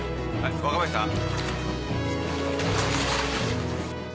若林さん？